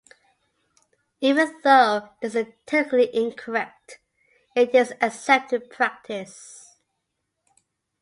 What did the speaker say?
Even though this is technically incorrect, it is an accepted practice.